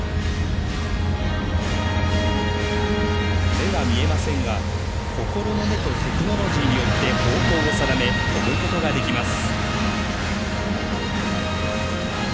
目は見えませんが心の目とテクノロジーによって方向を定め、飛ぶことができます。